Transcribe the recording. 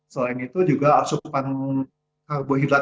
selain itu juga asupan karbohidrat